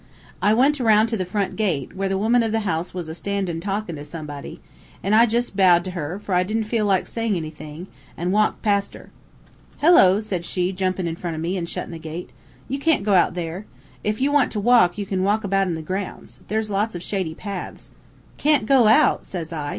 I went aroun' to the front gate, where the woman of the house was a standin' talkin' to somebody, an' I jus' bowed to her, for I didn't feel like sayin' anything, an' walked past her. "'Hello!' said she, jumpin' in front of me an' shuttin' the gate. 'You can't go out here. If you want to walk you can walk about in the grounds. There's lots of shady paths.' "'Can't go out!' says I.